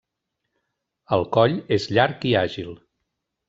El coll és llarg i àgil.